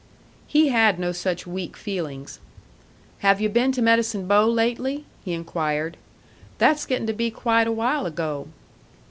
He had no such weak feelings. "Have yu' been to Medicine Bow lately?" he inquired. "That's getting to be quite a while ago."